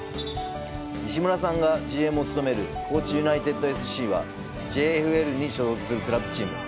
西村さんがＧＭを務める高知ユナイテッドＳＣはＪＦＬに所属するクラブチーム。